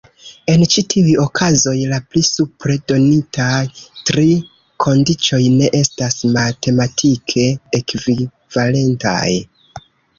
En ĉi tiuj okazoj, la pli supre donitaj tri kondiĉoj ne estas matematike ekvivalentaj.